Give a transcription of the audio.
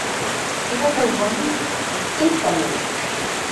இவர்கள் மொழி கொச்சைத் தமிழ்.